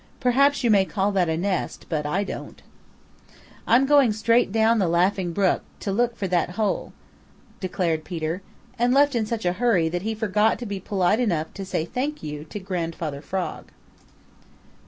Perhaps you may call that a nest, but I don't." "I'm going straight down the Laughing Brook to look for that hole," declared Peter, and left in such a hurry that he forgot to be polite enough to say thank you to Grandfather Frog.